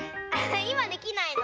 いまできないの？